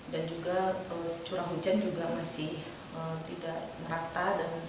dan juga curah hujan juga masih tidak merata